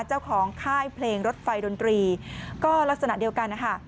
ค่ายเพลงรถไฟดนตรีก็ลักษณะเดียวกันนะคะ